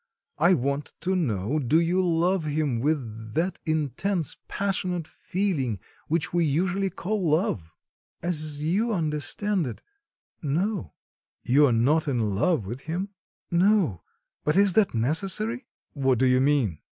I want to know do you love him with that intense passionate feeling which we usually call love?" "As you understand it no." "You're not in love with him?" "No. But is that necessary?" "What do you mean?"